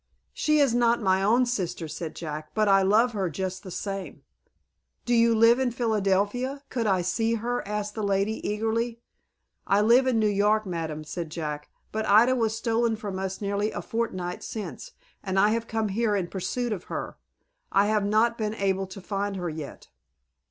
"She is not my own sister," said Jack, "but I love her just the same." "Do you live in Philadelphia? Could I see her?" asked the lady, eagerly. "I live in New York, madam," said Jack; "but Ida was stolen from us nearly a fortnight since, and I have come here in pursuit of her. I have not been able to find her yet."